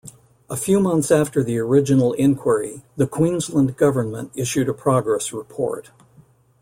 A few months after the original Inquiry, the Queensland Government issued a progress report.